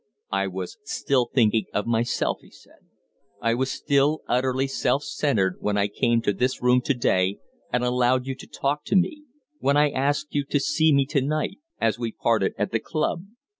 "I was still thinking of myself," he said. "I was still utterly self centred when I came to this room today and allowed you to talk to me when I asked you to see me to night as we parted at the club.